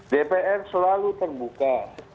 dpr selalu terbuka